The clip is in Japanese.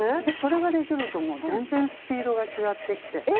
でそれができるともう全然スピードが違ってきて。